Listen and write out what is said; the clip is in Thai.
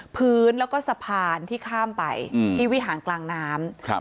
พื้นแล้วก็สะพานที่ข้ามไปที่วิหารกลางน้ำ